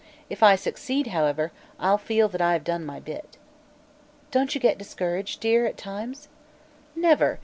If I succeed, however, I'll feel that I have done my bit." "Don't you get discouraged, dear, at times?" "Never!